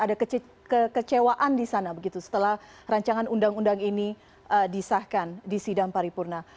ada kekecewaan di sana begitu setelah rancangan undang undang ini disahkan di sidang paripurna